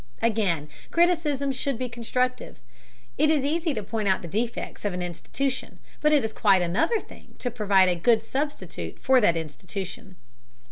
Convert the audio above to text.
Again, criticism should be constructive; it is easy to point out the defects of an institution, but it is quite another thing to provide a good substitute for that institution.